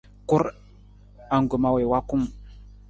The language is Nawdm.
Kur, angkoma wii wa kung.